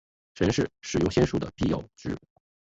神是使用仙术的必要值。